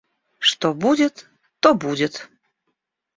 Что будет, то будет!